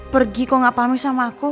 pergi kok gak paham sama aku